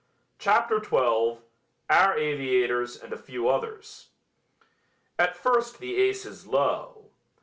CHAPTER XII OUR AVIATORS AND A FEW OTHERS At first the ace is low.